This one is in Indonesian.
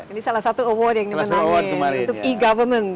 ini salah satu award yang dimenangin untuk e government